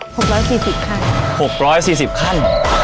หกร้อยสี่สิบขั้นหกร้อยสี่สิบขั้น